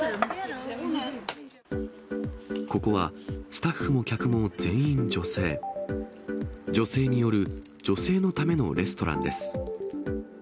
ここは、スタッフも客も全員女性、女性による女性のためのレストランです。